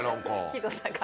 ひどさが。